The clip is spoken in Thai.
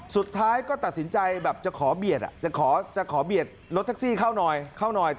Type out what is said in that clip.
สุดท้ายก็ตัดสินใจจะขอเบียดรถแท็กซี่เข้าน้อย